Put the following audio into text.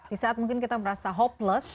di saat mungkin kita merasa hopeless